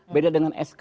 beda dengan sk